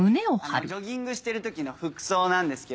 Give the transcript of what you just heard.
ジョギングしてる時の服装なんですけどもね